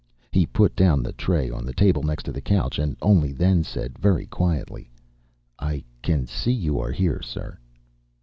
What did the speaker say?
He put down the tray on the table next the couch and only then said, very quietly, "I can see you are here, sir."